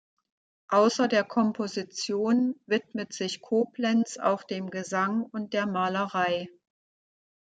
Außer der Komposition widmet sich Koblenz auch dem Gesang und der Malerei.